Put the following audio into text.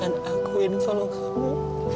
dan aku akan akuin kalau kamu